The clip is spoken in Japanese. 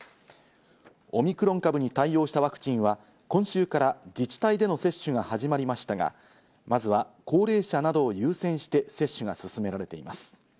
オミクロン株に対応したワクチンは今週から自治体での接種が始まりましたが、まずは高齢者などを優先して接種が進められています。